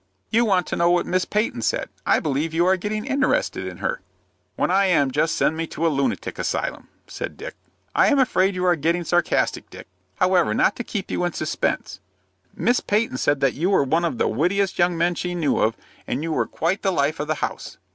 "You want to know what Miss Peyton said. I believe you are getting interested in her." "When I am, just send me to a lunatic asylum," said Dick. "I am afraid you are getting sarcastic, Dick. However, not to keep you in suspense, Miss Peyton said that you were one of the wittiest young men she knew of, and you were quite the life of the house."